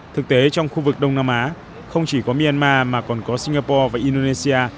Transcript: thực tế trong khu vực đông nam á không chỉ có myanmar mà còn có singapore và indonesia